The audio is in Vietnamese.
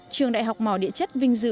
trường đại học mỏ địa chất vinh dự